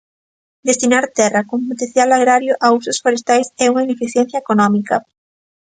Destinar terra con potencial agrario a usos forestais é unha ineficiencia económica.